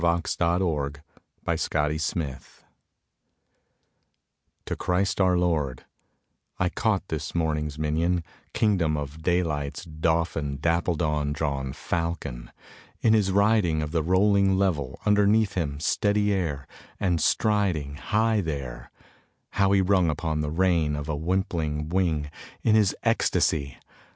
12 The Windhover: To Christ our Lord I CAUGHT this morning morning's minion, king dom of daylight's dauphin, dapple dawn drawn Fal con, in his riding Of the rolling level underneath him steady air, and striding High there, how he rung upon the rein of a wimpling wing In his ecstacy!